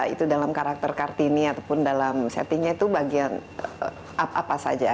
itu dalam karakter kartini ataupun dalam settingnya itu bagian apa saja